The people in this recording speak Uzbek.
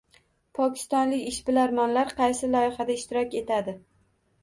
Pokistonlik ishbilarmonlar qaysi loyihalarda ishtirok etadi?